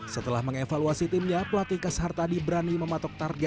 setelah mengevaluasi timnya pelatih khas hartadi berani mematok targetnya